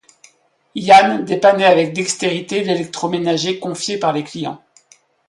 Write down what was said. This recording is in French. Yann dépannait avec dextérité l’électroménager confié par les clients.